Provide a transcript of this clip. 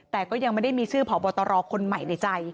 แต่ก็ยังไม่ได้มีชื่อผอบตรคนใหม่ในใจ